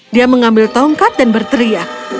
dia mengambil tongkat dan berteriak